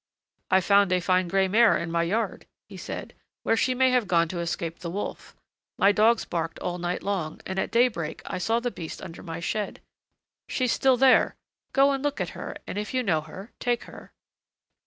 "I found a fine gray mare in my yard," he said, "where she may have gone to escape the wolf. My dogs barked all night long, and at daybreak I saw the beast under my shed; she's there still. Go and look at her, and if you know her, take her."